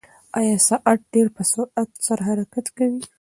ایا ساعت ډېر په سرعت سره حرکت کوي؟